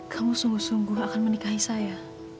kamu sungguh sungguh akan menikahi saya